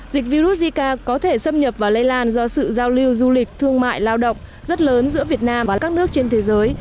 dịch virus zika có thể xâm nhập và lây lan do sự giao lưu du lịch thương mại lao động rất lớn giữa việt nam và các nước trên thế giới